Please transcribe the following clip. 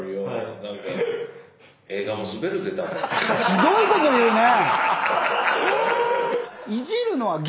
ひどいこと言うね！